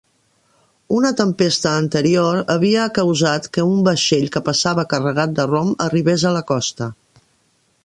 Una tempesta anterior havia causat que un vaixell que passava carregat de rom arribés a la costa.